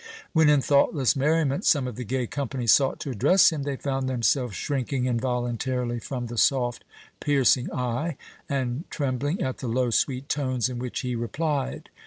When, in thoughtless merriment, some of the gay company sought to address him, they found themselves shrinking involuntarily from the soft, piercing eye, and trembling at the low, sweet tones in which he replied.